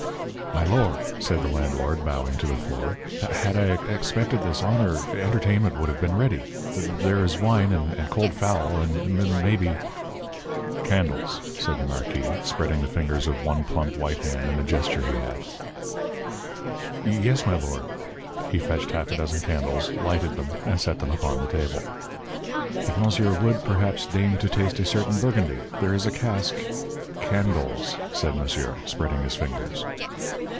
"My lord," said the landlord, bowing to the floor, "h had I ex expected this honour, entertainment would have been ready. T t there is wine and cold fowl and m m maybe " "Candles," said the marquis, spreading the fingers of one plump white hand in a gesture he had. "Y yes, my lord." He fetched half a dozen candles, lighted them, and set them upon the table. "If monsieur would, perhaps, deign to taste a certain Burgundy there is a cask " "Candles," said monsieur, spreading his fingers.